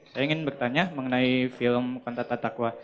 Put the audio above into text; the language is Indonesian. saya ingin bertanya mengenai film kontata takwa